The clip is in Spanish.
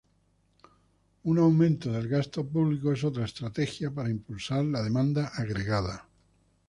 Un aumento del gasto público es otra estrategia para impulsar la demanda agregada.